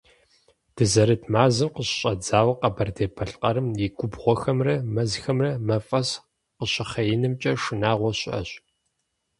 Дызэрыт мазэм къыщыщӀэдзауэ Къэбэрдей-Балъкъэрым и губгъуэхэмрэ мэзхэмрэ мафӀэс къыщыхъеинымкӀэ шынагъуэ щыӀэщ.